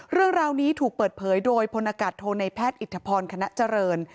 เรื่องราวนี้ถูกเปิดเผยโดยพลอากาศโทในแพทย์อิทธพรคณะเจริญ